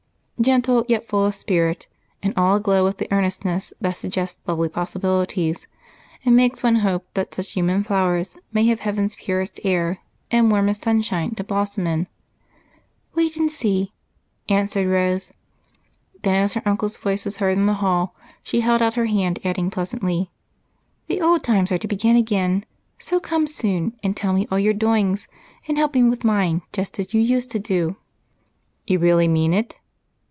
Gentle yet full of spirit, and all aglow with the earnestness that suggests lovely possibilities and makes one hope that such human flowers may have heaven's purest air and warmest sunshine to blossom in. "Wait and see," answered Rose; then, as her uncle's voice was heard in the hall, she held out her hand, adding pleasantly, "The old times are to begin again, so come soon and tell me all your doings and help me with mine just as you used to do." "You really mean it?"